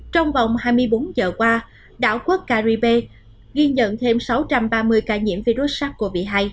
trong vòng hai mươi bốn giờ qua đảo quốc caribe ghi nhận thêm sáu trăm ba mươi ca nhiễm virus sars cov hai